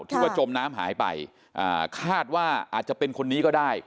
ที่ว่าจมน้ำหายไปอ่าคาดว่าอาจจะเป็นคนนี้ก็ได้